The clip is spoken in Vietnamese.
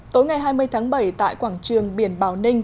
tối ngày hai mươi tháng bảy tại quảng trường biển bảo ninh